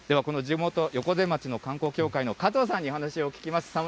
この地元、横瀬町の観光協会の加藤さんにお話を聞きます。